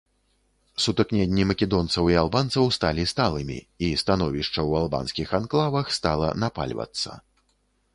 Сутыкненні македонцаў і албанцаў сталі сталымі, і становішча ў албанскіх анклавах стала напальвацца.